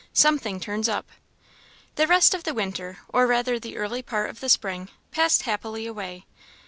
"Something turns up." The rest of the winter, or rather the early part of the spring, passed happily away.